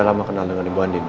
sama kenal dengan ibu andin ya